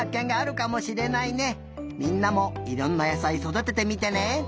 みんなもいろんな野さいそだててみてね！